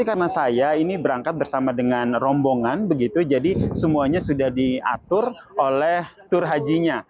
karena saya ini berangkat bersama dengan rombongan begitu jadi semuanya sudah diatur oleh tur hajinya